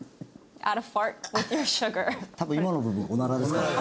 多分今の部分オナラですかね？